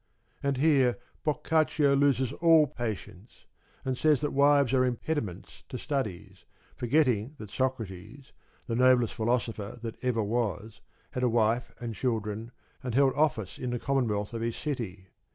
And here Boccaccio loses all patience, and says that wives are impediments to studies, forgetting that Socrates, the noblest philosopher that ever was, had a wife and children and held office in the Commonwealth of his city.